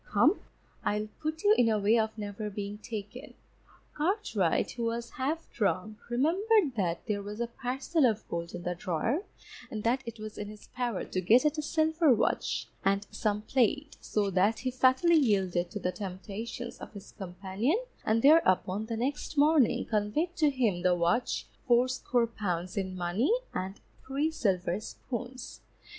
Come, I'll put you in a way of never being taken._ Cartwright, who was half drunk, remembered that there was a parcel of gold in the drawer, and that it was in his power to get at a silver watch and some plate, so that he fatally yielded to the temptations of his companion, and thereupon the next morning, conveyed to him the watch, fourscore pounds in money, and three silver spoons.